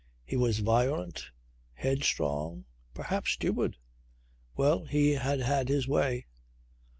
He was violent, headstrong perhaps stupid. Well, he had had his way.